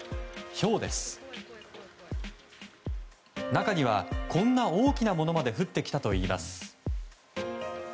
中にはこんな大きなものまで降ってきたといいます。